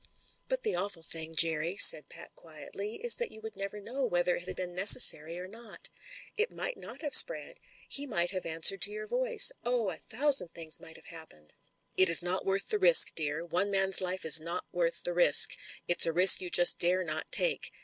"But the awful thing, Jerry," said Pat quietly, "is that you would never know whether it had been neces sary or not. It might not have spread ; he might have THE FATAL SECOND 105 answered to your voice— oh I a thousand things might have happened." ''It's not worth the risk, dear. One man's life is not worth the risk. It's a risk you just dare not take.